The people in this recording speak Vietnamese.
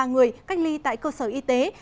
ba trăm hai mươi ba người cách ly tại cơ sở y tế